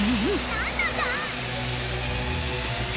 なんなんだ！？